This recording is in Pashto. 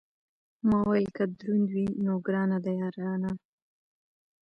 ما ویل که دروند وي، نو ګرانه ده یارانه.